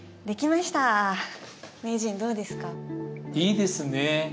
いいですね。